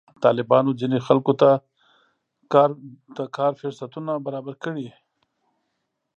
طالبانو ځینې خلکو ته کار فرصتونه برابر کړي.